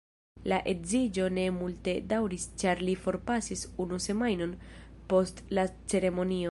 La edziĝo ne multe daŭris ĉar li forpasis unu semajnon post la ceremonio.